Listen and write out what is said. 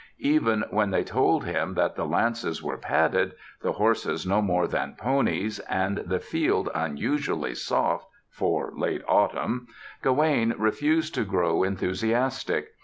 Even when they told him that the lances were padded, the horses no more than ponies and the field unusually soft for late autumn, Gawaine refused to grow enthusiastic.